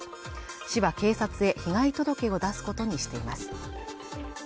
市は警察へ被害届を出すことにしています